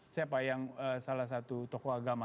siapa yang salah satu tokoh agama